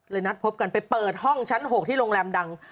นัดพบกันไปเปิดห้องชั้น๖ที่โรงแรมดัง